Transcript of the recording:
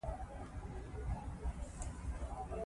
آب وهوا د افغانستان د صادراتو برخه ده.